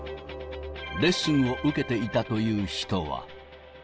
レッスンを受けていたという人は。